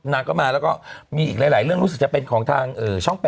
นางก็มาแล้วก็มีอีกหลายเรื่องรู้สึกจะเป็นของทางช่อง๘